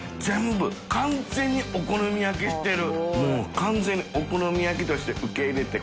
管完全にお好み焼きしてる。